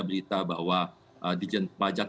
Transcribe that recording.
berita bahwa pajak